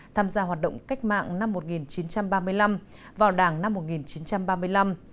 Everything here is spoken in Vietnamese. tham gia hoạt động cách mạng năm một nghìn chín trăm ba mươi năm vào đảng năm một nghìn chín trăm ba mươi năm